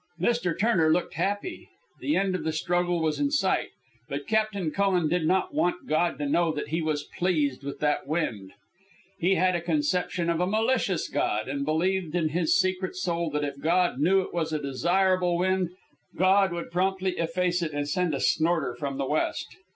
Mr. Turner looked happy. The end of the struggle was in sight. But Captain Cullen did not look happy. He scowled at Dorety in passing. Captain Cullen did not want God to know that he was pleased with that wind. He had a conception of a malicious God, and believed in his secret soul that if God knew it was a desirable wind, God would promptly efface it and send a snorter from the west.